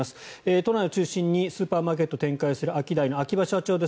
都内を中心にスーパーマーケットを展開するアキダイの秋葉社長です。